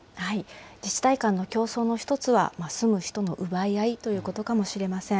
自治体間の競争の一つは、住む人の奪い合いということかもしれません。